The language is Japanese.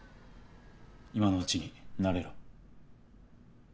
今のうちに慣れろ。